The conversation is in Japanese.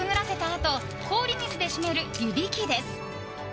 あと氷水で締める湯引きです。